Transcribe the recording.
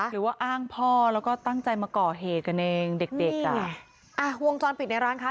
หรือว่าอ้างพ่อแล้วก็ตั้งใจมาก่อเหตุกันเองเด็กเด็กอ่ะอ่าวงจรปิดในร้านค้า